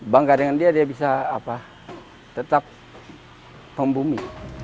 bangga dengan dia dia bisa tetap membumi